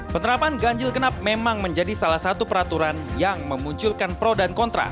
penerapan ganjil genap memang menjadi salah satu peraturan yang memunculkan pro dan kontra